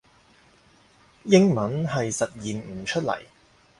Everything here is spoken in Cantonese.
英文係實現唔出嚟